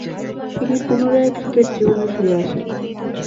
তিনি পুনরায় ক্রিকেট জীবনে ফিরে আসেন।